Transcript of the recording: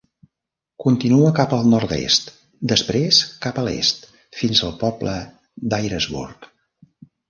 Continua cap al nord-est, després cap a l'est fins al poble d'Irasburg.